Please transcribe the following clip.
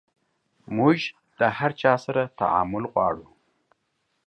موژ له هر چا سره تعامل غواړو